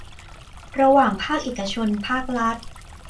ระหว่างภาคเอกชนภาครัฐ